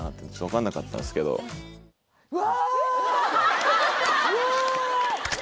うわ！